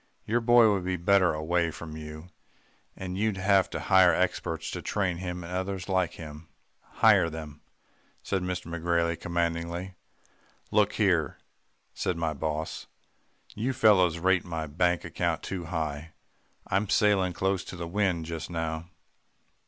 'Your boy would be better away from you and you'd have to hire experts to train him and others like him.' "'Hire them,' said McGrailey commandingly. "'Look here,' said my boss, 'you fellows rate my bank account too high. I'm sailing close to the wind just now.